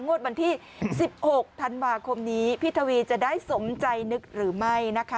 งวดวันที่๑๖ธันวาคมนี้พี่ทวีจะได้สมใจนึกหรือไม่นะคะ